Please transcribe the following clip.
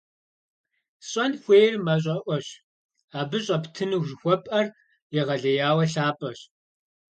СщӀэн хуейр мащӀэӀуэщ, абы щӀэптыну жыхуэпӀэр егъэлеяуэ лъапӀэщ!